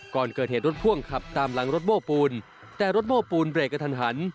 ก่อนเกิดเหตุรถพ่วงขับตามหลังรถโม้ปูนแต่รถโบ้ปูนเบรกกระทันหัน